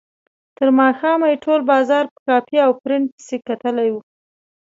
تر ماښامه یې ټول بازار په کاپي او پرنټ پسې کتلی و.